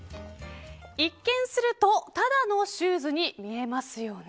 一見するとただのシューズに見えますよね。